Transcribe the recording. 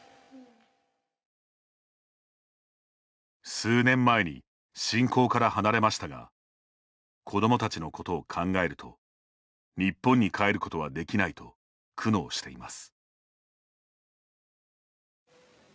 数年前に信仰から離れましたが子どもたちのことを考えると日本に帰ることはできないと苦悩しています。